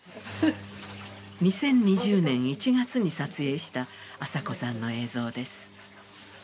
２０２０年１月に撮影した朝子さんの映像です。